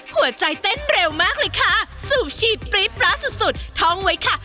หัวใจเต้นเร็วมากเลยค่ะสูบฉีดปรี๊บร้าสุดสุดท่องไว้ค่ะ